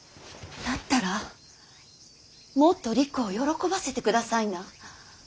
だったらもっとりくを喜ばせてくださいな。